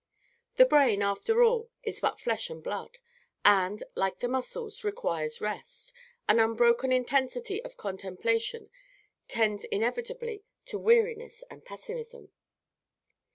The brain, after all, is but flesh and blood, and, like the muscles, requires rest; an unbroken intensity of contemplation tends inevitably to weariness and pessimism.